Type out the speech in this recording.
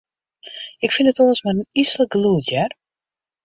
Ik fyn it oars mar in yslik gelûd, hear.